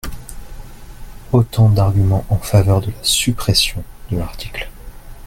Autant d’arguments en faveur de la suppression de l’article.